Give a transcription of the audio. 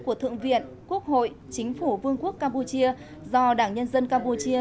của thượng viện quốc hội chính phủ vương quốc campuchia do đảng nhân dân campuchia